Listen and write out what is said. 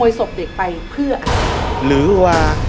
โรงเรียกว่า